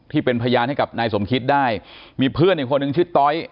ที่เป็นพยานให้กับนายสมคิตได้มีเพื่อนอีกคนนึงชื่อต้อย